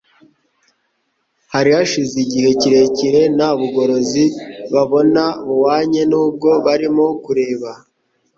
hari hashize igihe kirekire nta bugorozi babona buhwanye nubwo barimo kureba.